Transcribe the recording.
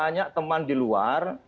banyak teman di luar